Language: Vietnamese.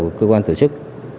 của cơ quan tổ chức